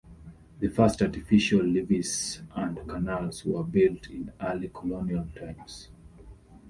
The first artificial levees and canals were built in early colonial times.